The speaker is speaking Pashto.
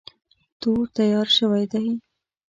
تور تیار شوی دی.